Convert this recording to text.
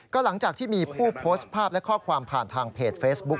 ก็หลังจากที่มีผู้โพสต์ภาพและข้อความผ่านทางเพจเฟซบุ๊ค